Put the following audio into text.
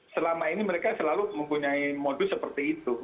selama ini mereka selalu mempunyai modus seperti itu